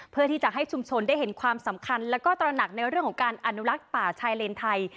เพื่อที่จะให้ชุมชนได้เห็นความสำคัญแล้วก็ตระหนักในเรื่องของการอนุลักษ์ป่าชายเลนไทย